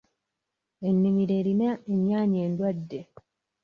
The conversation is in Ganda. Ennimiro erina ennyaanya endwadde.